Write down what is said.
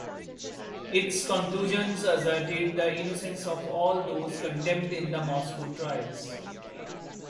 Its conclusions asserted the innocence of all those condemned in the Moscow Trials.